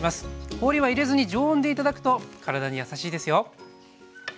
氷は入れずに常温で頂くと体にやさしいですよ。